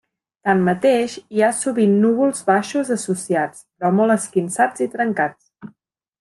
Tanmateix, hi ha sovint núvols baixos associats, però molt esquinçats i trencats.